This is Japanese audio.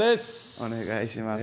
お願いしますね。